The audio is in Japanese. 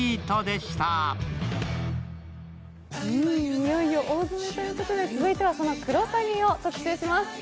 いよいよ大詰めということで続いてはその「クロサギ」を特集します。